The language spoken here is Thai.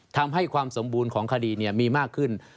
ทำให้ความสมบูรณ์ของคดีมีมากขึ้น